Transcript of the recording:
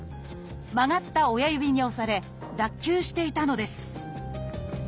曲がった親指に押され脱臼していたのです。